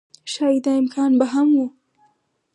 ښايي دا امکان به هم و